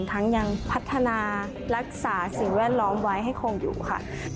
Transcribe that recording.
ยังพัฒนารักษาสิ่งแวดล้อมไว้ให้คงอยู่ค่ะ